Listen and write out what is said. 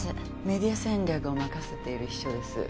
メディア戦略を任せている秘書です。